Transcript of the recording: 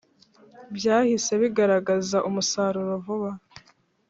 Byahise bigaragaza umusaruro vuba